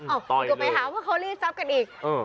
อย่าไปหาว่าเขารีดทรัพย์กันอีก